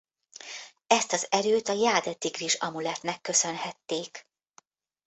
Ezt az erőt a Jáde Tigris amulettnek köszönhették.